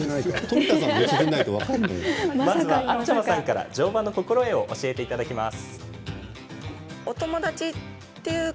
まずは、あっちゃまさんから乗馬の心得を教えていただきます。